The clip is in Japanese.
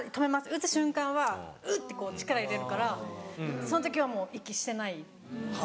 打つ瞬間はウッて力入れるからその時はもう息してないで。